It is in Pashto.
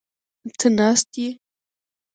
ته ناست یې؟